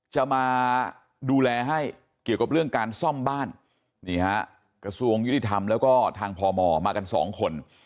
จะมาดูแลให้เกี่ยวกับเรื่องการซ่อมบ้านนี่ฮะกระทรวงยุติธรรมแล้วก็ทางพมมากันสองคน